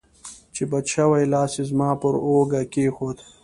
چې بچ شوې، لاس یې زما پر اوږه کېښود.